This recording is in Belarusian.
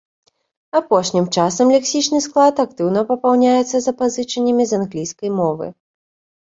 Апошнім часам лексічны склад актыўна папаўняецца запазычаннямі з англійскай мовы.